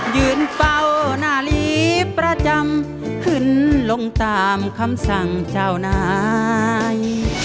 ยืนเฝ้าหน้าลีประจำขึ้นลงตามคำสั่งเจ้านาย